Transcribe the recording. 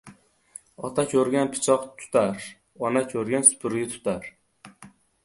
• Ota ko‘rgan pichoq tutar, ona ko‘rgan supurgi tutar.